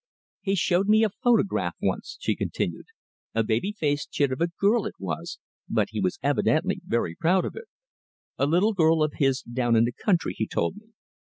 "He showed me a photograph once," she continued. "A baby faced chit of a girl it was, but he was evidently very proud of it. A little girl of his down in the country, he told me.